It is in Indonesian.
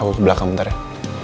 aku ke belakang bentar ya